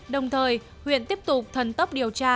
đồng thời huyện tiếp tục thần tốc điều tra